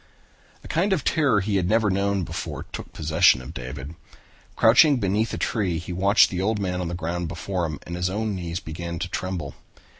A kind of terror he had never known before took possession of David. Crouching beneath a tree he watched the man on the ground before him and his own knees began to tremble.